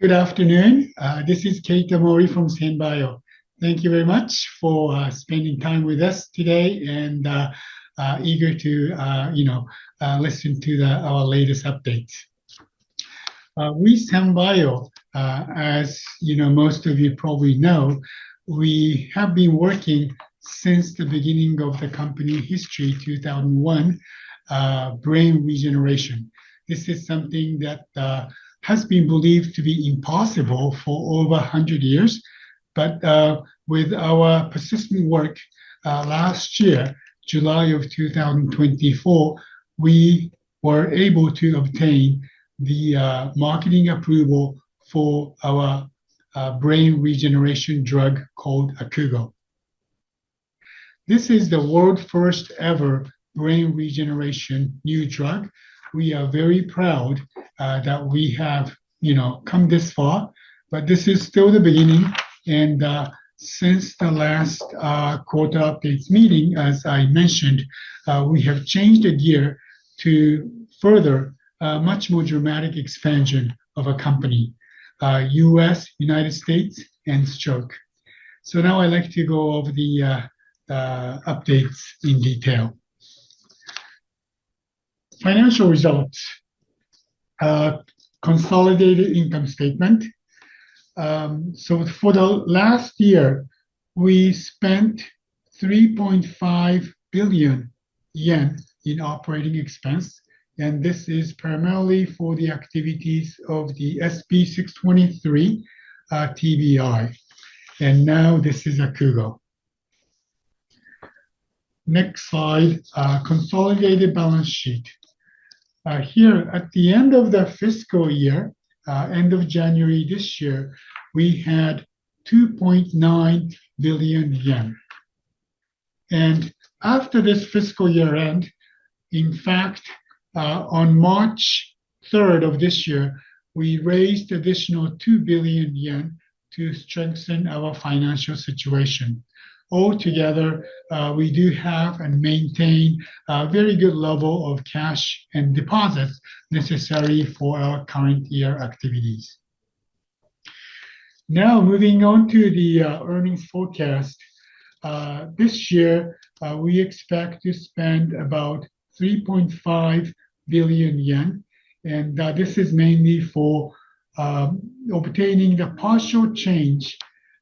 Good afternoon. This is Keita Mori from SanBio. Thank you very much for spending time with us today and eager to, you know, listen to our latest updates. We at SanBio, as you know, most of you probably know, we have been working since the beginning of the company's history, 2001, brain regeneration. This is something that has been believed to be impossible for over 100 years. With our persistent work, last year, July of 2024, we were able to obtain the marketing approval for our brain regeneration drug called AKUUGO. This is the world's first-ever brain regeneration new drug. We are very proud that we have, you know, come this far. This is still the beginning. Since the last quarter updates meeting, as I mentioned, we have changed the gear to further, much more dramatic expansion of our company, U.S., United States, and stroke. Now I'd like to go over the updates in detail. Financial results, consolidated income statement. For the last year, we spent 3.5 billion yen in operating expense. This is primarily for the activities of the SB 623, TBI. Now this is AKUUGO. Next slide, consolidated balance sheet. Here at the end of the fiscal year, end of January this year, we had 2.9 billion yen. After this fiscal year end, in fact, on March 3 of this year, we raised an additional 2 billion yen to strengthen our financial situation. Altogether, we do have and maintain a very good level of cash and deposits necessary for our current year activities. Now moving on to the earnings forecast. This year, we expect to spend about 3.5 billion yen. This is mainly for obtaining the partial change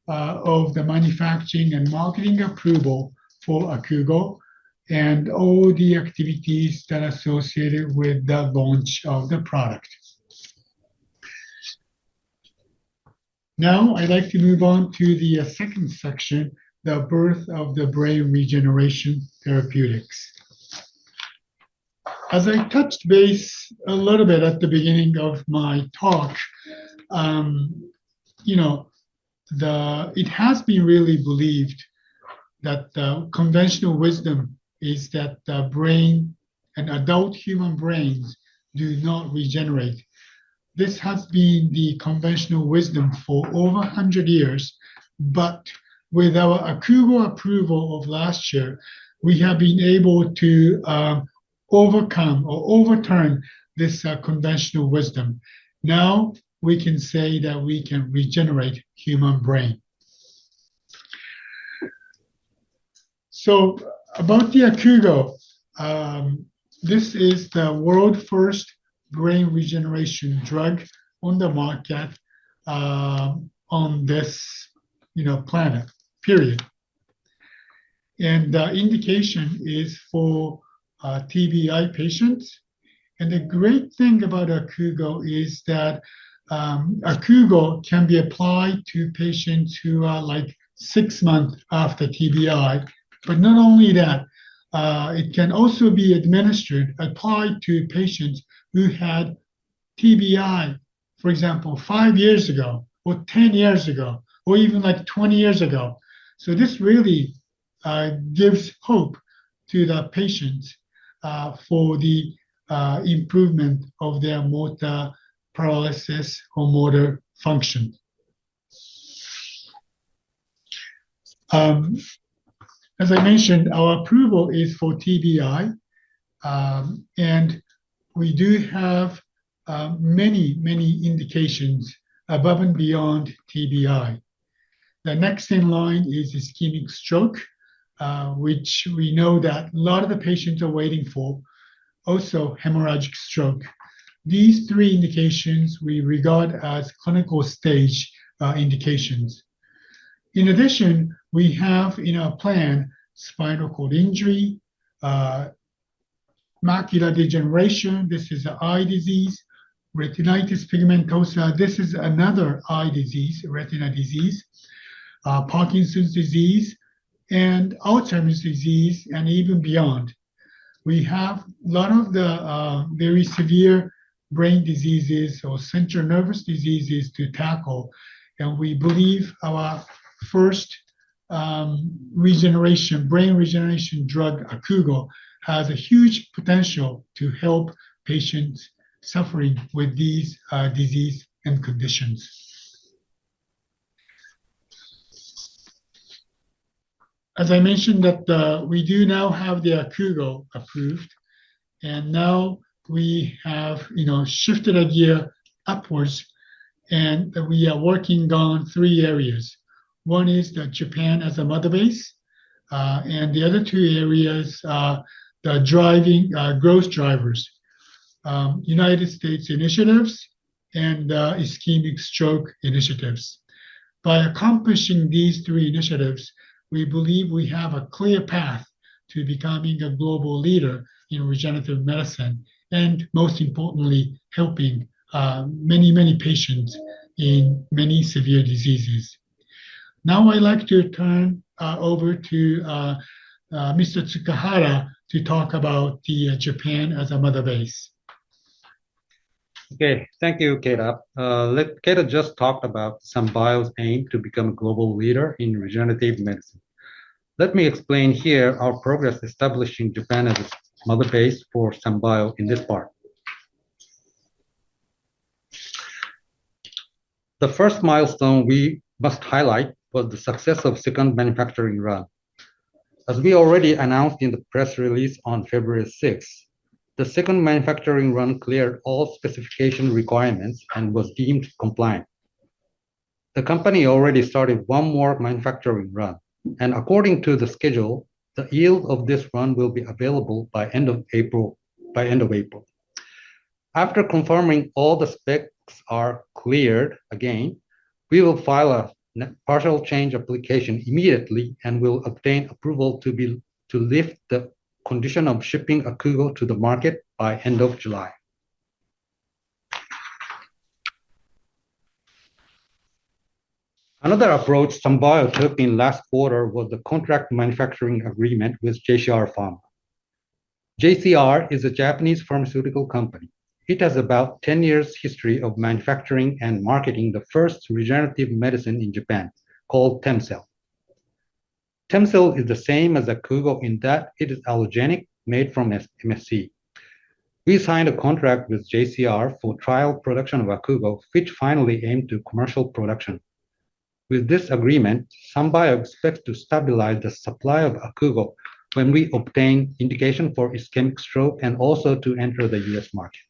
of the manufacturing and marketing approval for AKUUGO and all the activities that are associated with the launch of the product. Now I'd like to move on to the second section, the birth of the brain regeneration therapeutics. As I touched base a little bit at the beginning of my talk, it has been really believed that the conventional wisdom is that the brain, an adult human brain, does not regenerate. This has been the conventional wisdom for over 100 years. With our AKUUGO approval of last year, we have been able to overcome or overturn this conventional wisdom. Now we can say that we can regenerate the human brain. About the AKUUGO, this is the world's first brain regeneration drug on the market, on this, you know, planet, period. The indication is for TBI patients. The great thing about AKUUGO is that AKUUGO can be applied to patients who are like six months after TBI. Not only that, it can also be administered, applied to patients who had TBI, for example, five years ago or 10 years ago or even like 20 years ago. This really gives hope to the patients for the improvement of their motor paralysis or motor function. As I mentioned, our approval is for TBI. We do have many, many indications above and beyond TBI. The next in line is ischemic stroke, which we know that a lot of the patients are waiting for. Also, hemorrhagic stroke. These three indications we regard as clinical-stage indications. In addition, we have in our plan spinal cord injury, macular degeneration—this is an eye disease—retinitis pigmentosa, this is another eye disease, retina disease, Parkinson's disease, and Alzheimer's disease, and even beyond. We have a lot of the very severe brain diseases or central nervous diseases to tackle. We believe our first brain regeneration drug, AKUUGO, has a huge potential to help patients suffering with these disease and conditions. As I mentioned, we do now have the AKUUGO approved. Now we have shifted a gear upwards. We are working on three areas. One is Japan as a mother base. The other two areas are the growth drivers: United States initiatives and ischemic stroke initiatives. By accomplishing these three initiatives, we believe we have a clear path to becoming a global leader in regenerative medicine and, most importantly, helping many, many patients in many severe diseases. Now I'd like to turn over to Mr. Tsukahara to talk about Japan as a mother base. Okay. Thank you, Keita. Keita just talked about SanBio's aim to become a global leader in regenerative medicine. Let me explain here our progress establishing Japan as a mother base for SanBio in this part. The first milestone we must highlight was the success of the second manufacturing run. As we already announced in the press release on February 6, the second manufacturing run cleared all specification requirements and was deemed compliant. The company already started one more manufacturing run. According to the schedule, the yield of this run will be available by end of April. After confirming all the specs are cleared again, we will file a partial change application immediately and will obtain approval to lift the condition of shipping AKUUGO to the market by end of July. Another approach SanBio took in last quarter was the contract manufacturing agreement with JCR Pharma. JCR is a Japanese pharmaceutical company. It has about 10 years' history of manufacturing and marketing the first regenerative medicine in Japan called Temcell. Temcell is the same as AKUUGO in that it is allogeneic, made from MSC. We signed a contract with JCR for trial production of AKUUGO, which finally aimed to commercial production. With this agreement, SanBio expects to stabilize the supply of AKUUGO when we obtain indication for ischemic stroke and also to enter the U.S. market.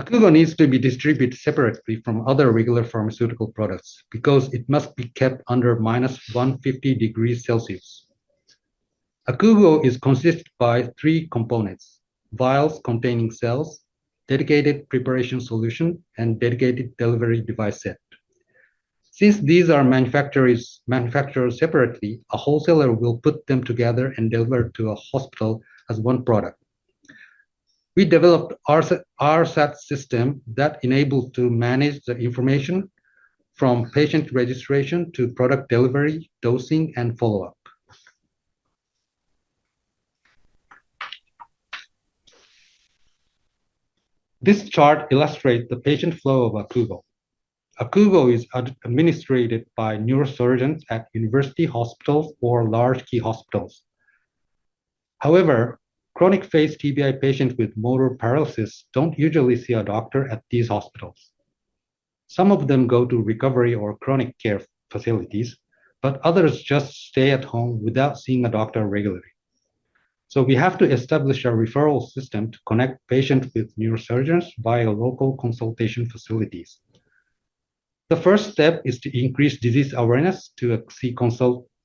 AKUUGO needs to be distributed separately from other regular pharmaceutical products because it must be kept under minus 150 degrees Celsius. AKUUGO is consisted of three components: vials containing cells, dedicated preparation solution, and dedicated delivery device set. Since these are manufactured separately, a wholesaler will put them together and deliver to a hospital as one product. We developed RSAT system that enables to manage the information from patient registration to product delivery, dosing, and follow-up. This chart illustrates the patient flow of AKUUGO. AKUUGO is administrated by neurosurgeons at university hospitals or large key hospitals. However, chronic phase TBI patients with motor paralysis don't usually see a doctor at these hospitals. Some of them go to recovery or chronic care facilities, but others just stay at home without seeing a doctor regularly. We have to establish a referral system to connect patients with neurosurgeons via local consultation facilities. The first step is to increase disease awareness to see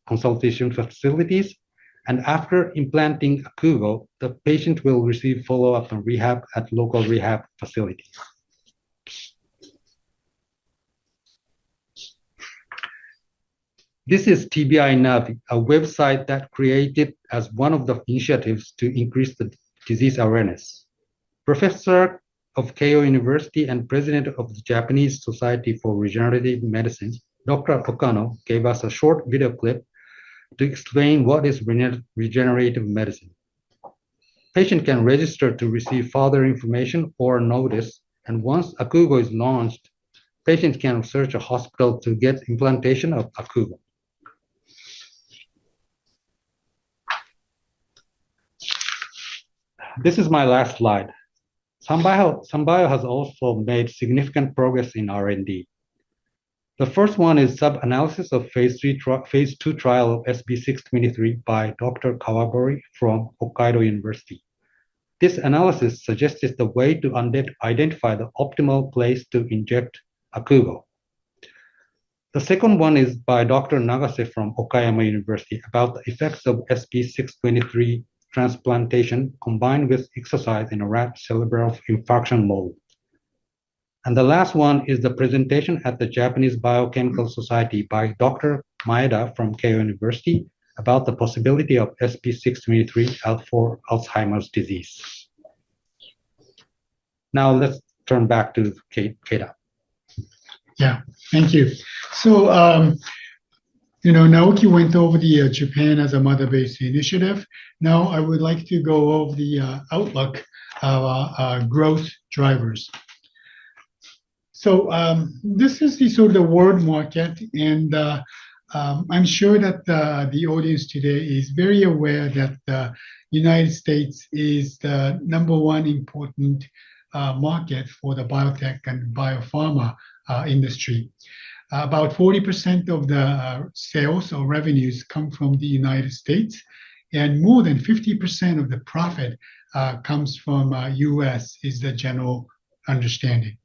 consultation facilities. After implanting AKUUGO, the patient will receive follow-up and rehab at local rehab facilities. This is TBI Navi, a website that was created as one of the initiatives to increase disease awareness. Professor of Keio University and President of the Japanese Society for Regenerative Medicine, Dr. Akano, gave us a short video clip to explain what is regenerative medicine. Patients can register to receive further information or notice. Once AKUUGO is launched, patients can search a hospital to get implantation of AKUUGO. This is my last slide. SanBio Company Limited has also made significant progress in R&D. The first one is sub-analysis of Phase II trial of SB623 by Dr. Kawagori from Hokkaido University. This analysis suggested the way to identify the optimal place to inject AKUUGO. The second one is by Dr. Nagase from Okayama University about the effects of SB623 transplantation combined with exercise in a rapid cerebral infarction model. The last one is the presentation at the Japanese Biochemical Society by Dr. Maeda from Keio University about the possibility of SB623 for Alzheimer’s disease. Now let's turn back to Keita. Thank you. Naoki went over the Japan as a mother base initiative. Now I would like to go over the outlook of growth drivers. This is the sort of the world market. I'm sure that the audience today is very aware that the United States is the number one important market for the biotech and biopharma industry. About 40% of the sales or revenues come from the United States. More than 50% of the profit comes from the U.S., is the general understanding.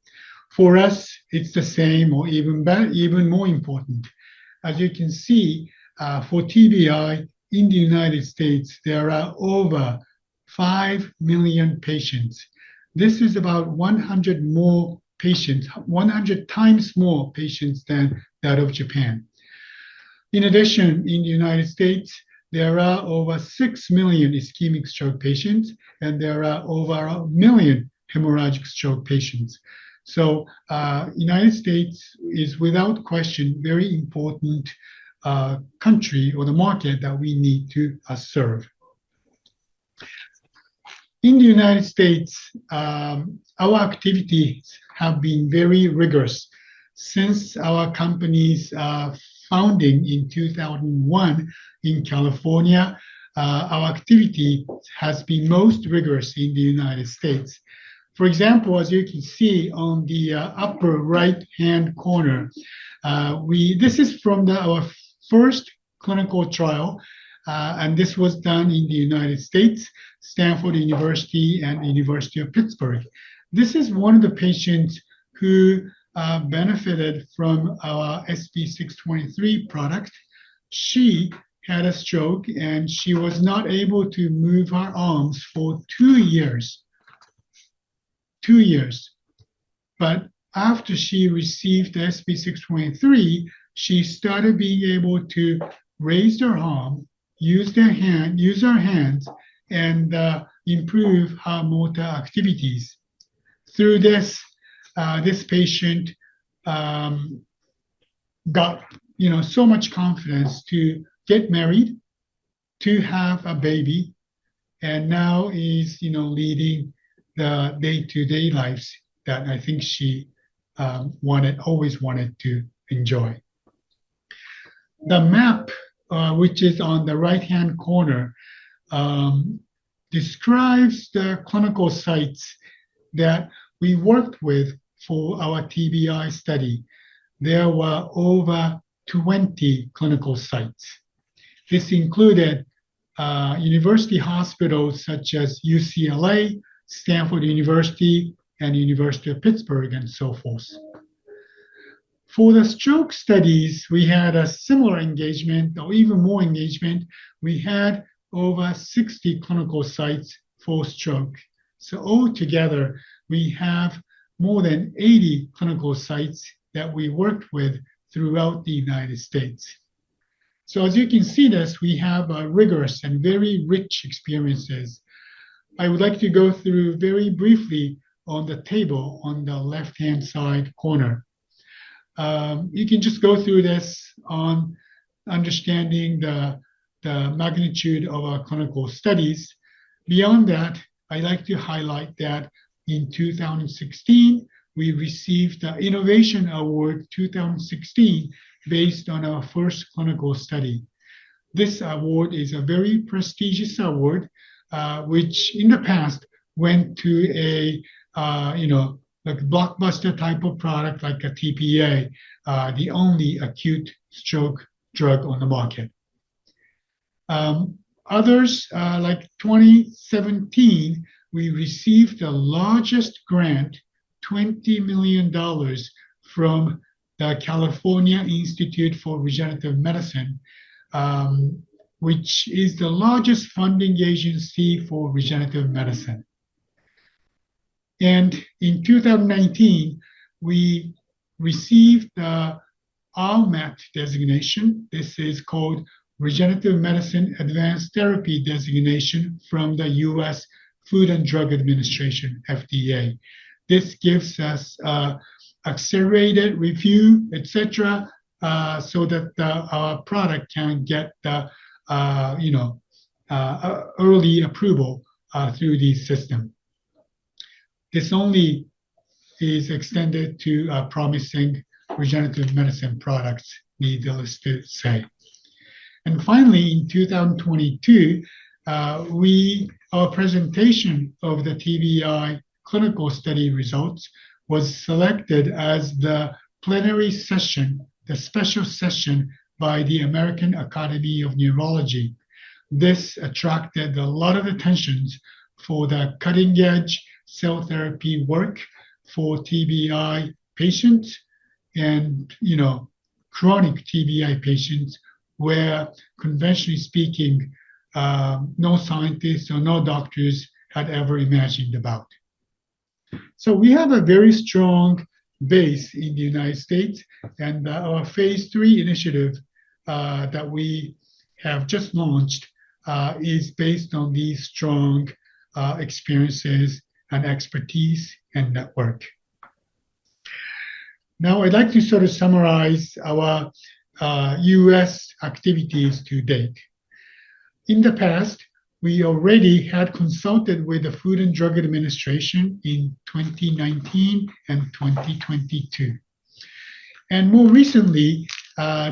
For us, it's the same or even more important. As you can see, for TBI in the United States, there are over 5 million patients. This is about 100x more patients than that of Japan. In addition, in the United States, there are over 6 million ischemic stroke patients. There are over a million hemorrhagic stroke patients. The United States is, without question, a very important country or the market that we need to serve. In the United States, our activities have been very rigorous. Since our company's founding in 2001 in California, our activity has been most rigorous in the United States. For example, as you can see on the upper right-hand corner, this is from our first clinical trial. This was done in the United States, Stanford University, and the University of Pittsburgh. This is one of the patients who benefited from our SB 623 product. She had a stroke. She was not able to move her arms for two years. Two years. After she received the SB 623, she started being able to raise her arm, use her hands, and improve her motor activities. Through this, this patient got so much confidence to get married, to have a baby, and now is leading the day-to-day lives that I think she always wanted to enjoy. The map, which is on the right-hand corner, describes the clinical sites that we worked with for our TBI study. There were over 20 clinical sites. This included university hospitals such as UCLA, Stanford University, and the University of Pittsburgh, and so forth. For the stroke studies, we had a similar engagement or even more engagement. We had over 60 clinical sites for stroke. Altogether, we have more than 80 clinical sites that we worked with throughout the United States. As you can see this, we have rigorous and very rich experiences. I would like to go through very briefly on the table on the left-hand side corner. You can just go through this on understanding the magnitude of our clinical studies. Beyond that, I'd like to highlight that in 2016, we received the Innovation Award 2016 based on our first clinical study. This award is a very prestigious award, which in the past went to a, you know, like a blockbuster type of product like a TPA, the only acute stroke drug on the market. Others, like 2017, we received the largest grant, $20 million from the California Institute for Regenerative Medicine, which is the largest funding agency for regenerative medicine. In 2019, we received the RMAT designation. This is called Regenerative Medicine Advanced Therapy designation from the U.S. Food and Drug Administration, FDA. This gives us an accelerated review, etc., so that our product can get the, you know, early approval, through the system. This only is extended to promising regenerative medicine products, needless to say. Finally, in 2022, our presentation of the TBI clinical study results was selected as the plenary session, the special session by the American Academy of Neurology. This attracted a lot of attention for the cutting-edge cell therapy work for TBI patients and, you know, chronic TBI patients where, conventionally speaking, no scientists or no doctors had ever imagined about. We have a very strong base in the United States. Our Phase III initiative, that we have just launched, is based on these strong experiences and expertise and network. Now I'd like to sort of summarize our U.S. activities to date. In the past, we already had consulted with the Food and Drug Administration in 2019 and 2022. More recently,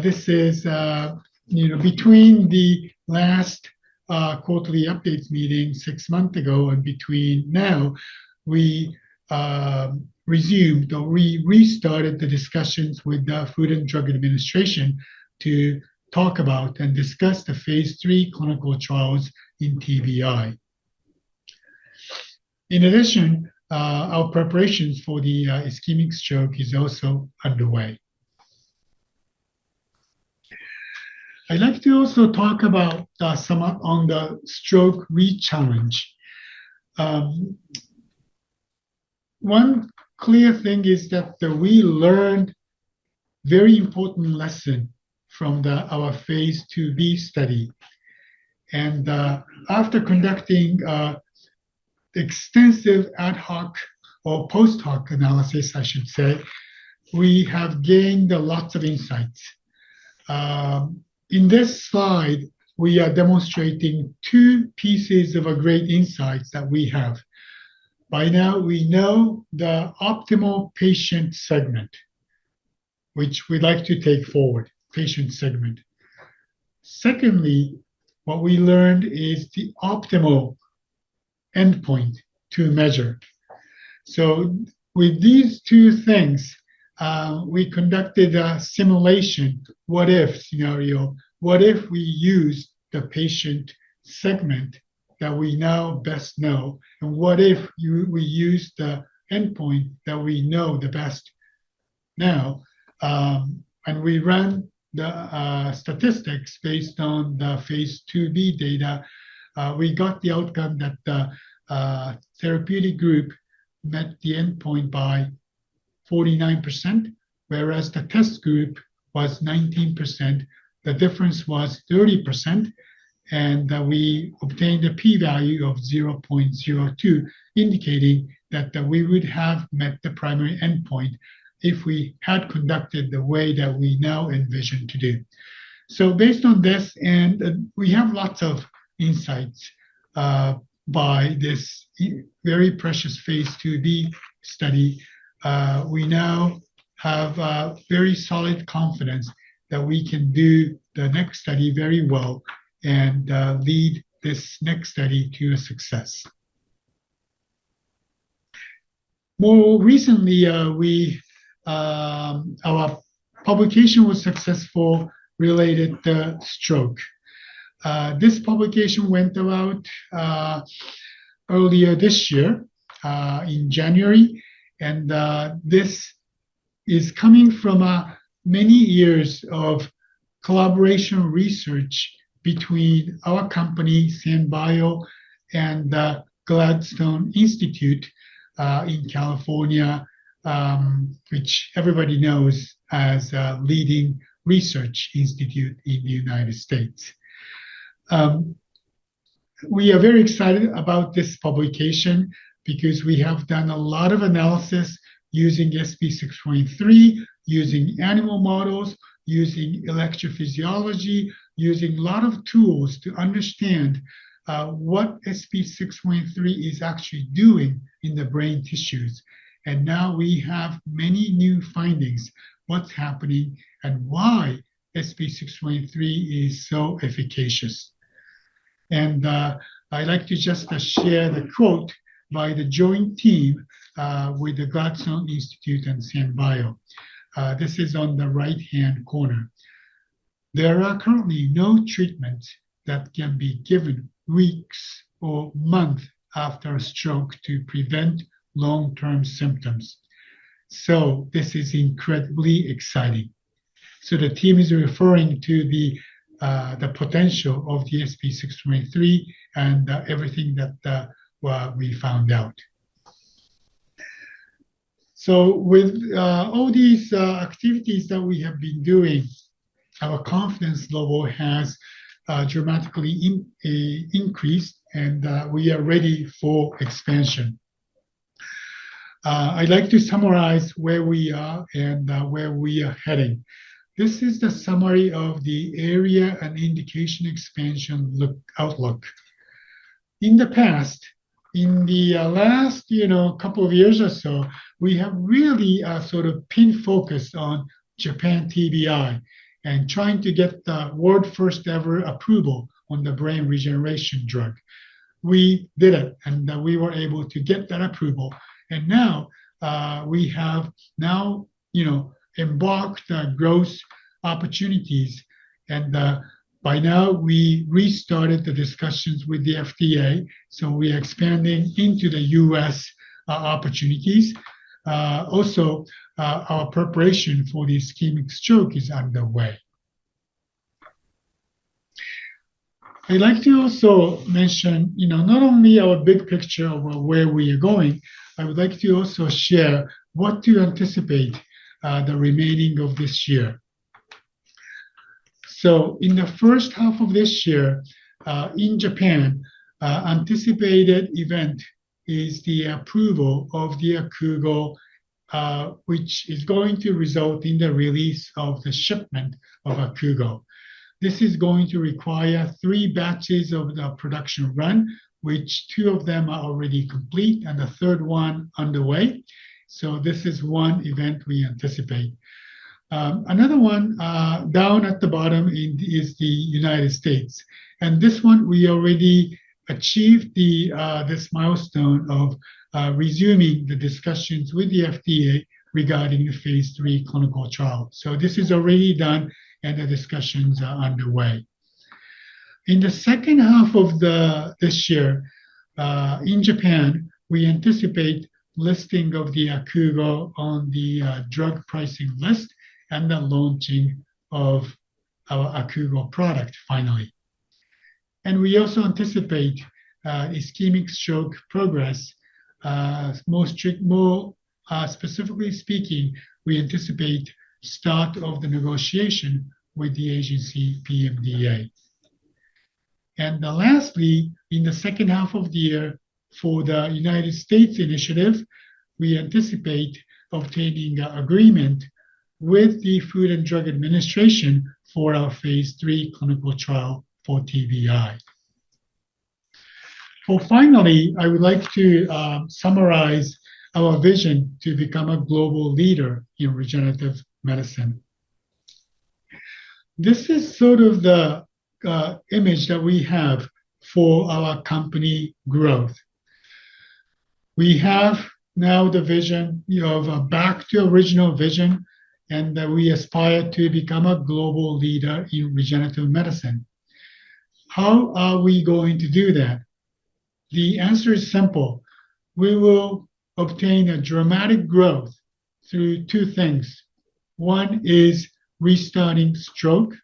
this is, you know, between the last quarterly updates meeting six months ago and between now, we resumed or we restarted the discussions with the Food and Drug Administration to talk about and discuss the Phase III clinical trials in TBI. In addition, our preparations for the ischemic stroke is also underway. I'd like to also talk about some on the stroke re-challenge. One clear thing is that we learned a very important lesson from our Phase 2b study. After conducting extensive ad hoc or post-hoc analysis, I should say, we have gained lots of insights. In this slide, we are demonstrating two pieces of great insights that we have. By now, we know the optimal patient segment, which we'd like to take forward, patient segment. Secondly, what we learned is the optimal endpoint to measure. With these two things, we conducted a simulation, what-if scenario. What if we use the patient segment that we now best know? What if we use the endpoint that we know the best? Now, we run the statistics based on the phase 2b data. We got the outcome that the therapeutic group met the endpoint by 49%, whereas the test group was 19%. The difference was 30%. We obtained a p-value of 0.02, indicating that we would have met the primary endpoint if we had conducted the way that we now envision to do. Based on this, we have lots of insights by this very precious phase 2b study. We now have very solid confidence that we can do the next study very well and lead this next study to a success. More recently, our publication was successful related to stroke. This publication went out earlier this year, in January. This is coming from many years of collaboration research between our company, SanBio, and the Gladstone Institute in California, which everybody knows as a leading research institute in the United States. We are very excited about this publication because we have done a lot of analysis using SB623, using animal models, using electrophysiology, using a lot of tools to understand what SB623 is actually doing in the brain tissues. Now we have many new findings, what's happening, and why SB623 is so efficacious. I'd like to just share the quote by the joint team with the Gladstone Institute and SanBio Company Limited. This is on the right-hand corner. "There are currently no treatments that can be given weeks or months after a stroke to prevent long-term symptoms." This is incredibly exciting. The team is referring to the potential of the SB623 and everything that we found out. With all these activities that we have been doing, our confidence level has dramatically increased. We are ready for expansion. I'd like to summarize where we are and where we are heading. This is the summary of the area and indication expansion outlook. In the past, in the last couple of years or so, we have really sort of been focused on Japan TBI and trying to get the world's first-ever approval on the brain regeneration drug. We did it. We were able to get that approval. Now we have now embarked on growth opportunities. By now, we restarted the discussions with the FDA. We are expanding into the U.S. opportunities. Also, our preparation for the ischemic stroke is out of the way. I'd like to also mention, you know, not only our big picture of where we are going, I would like to also share what to anticipate the remaining of this year. In the first half of this year, in Japan, the anticipated event is the approval of AKUUGO, which is going to result in the release of the shipment of AKUUGO. This is going to require three batches of the production run, which two of them are already complete and the third one underway. This is one event we anticipate. Another one down at the bottom is the United States. We already achieved this milestone of resuming the discussions with the FDA regarding the Phase III clinical trial. This is already done, and the discussions are underway. In the second half of this year, in Japan, we anticipate listing of AKUUGO on the drug pricing list and the launching of our AKUUGO product finally. We also anticipate ischemic stroke progress. More specifically speaking, we anticipate the start of the negotiation with the agency PMDA. Lastly, in the second half of the year for the United States initiative, we anticipate obtaining an agreement with the FDA for our Phase III clinical trial for TBI. Finally, I would like to summarize our vision to become a global leader in regenerative medicine. This is sort of the image that we have for our company growth. We have now the vision of back to the original vision, and we aspire to become a global leader in regenerative medicine. How are we going to do that? The answer is simple. We will obtain a dramatic growth through two things. One is restarting stroke,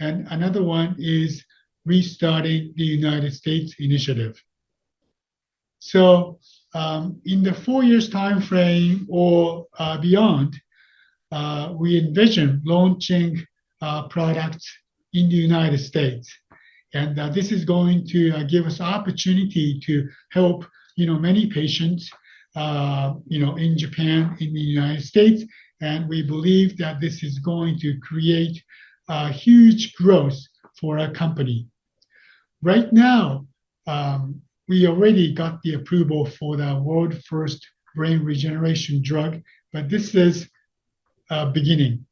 and another one is restarting the United States initiative. In the four-year time frame or beyond, we envision launching products in the United States. This is going to give us an opportunity to help, you know, many patients, you know, in Japan, in the United States. We believe that this is going to create a huge growth for our company. Right now, we already got the approval for the world's first brain regeneration drug, but this is beginning.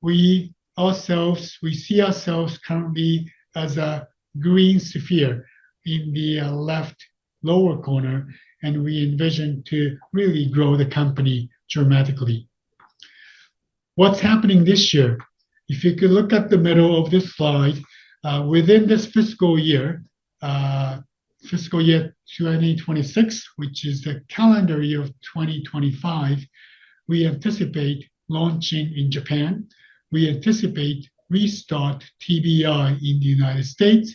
We see ourselves currently as a green sphere in the left lower corner, and we envision to really grow the company dramatically. What's happening this year? If you could look at the middle of this slide, within this fiscal year, fiscal year 2026, which is the calendar year of 2025, we anticipate launching in Japan. We anticipate restart TBI in the United States.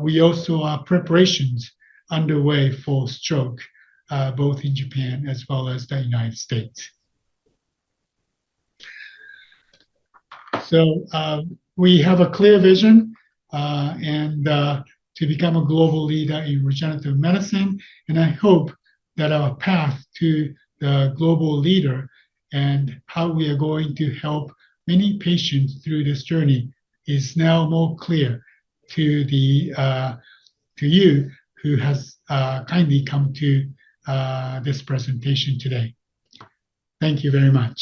We also have preparations underway for stroke, both in Japan as well as the United States. We have a clear vision to become a global leader in regenerative medicine. I hope that our path to the global leader and how we are going to help many patients through this journey is now more clear to you who has kindly come to this presentation today. Thank you very much.